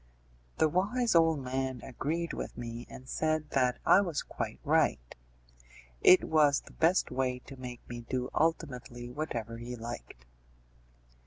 The wise old man agreed with me, and said that I was quite right: it was the best way to make me do ultimately whatever he liked.